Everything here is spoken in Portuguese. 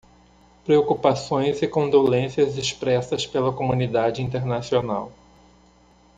Preocupações e condolências expressas pela comunidade internacional